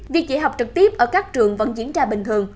việc dạy học trực tiếp ở các trường vẫn diễn ra bình thường